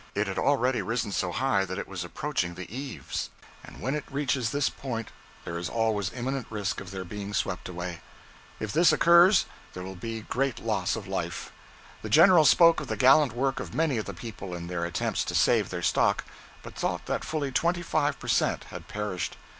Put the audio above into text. It had already risen so high that it was approaching the eaves, and when it reaches this point there is always imminent risk of their being swept away. If this occurs, there will be great loss of life. The General spoke of the gallant work of many of the people in their attempts to save their stock, but thought that fully twenty five per cent. had perished.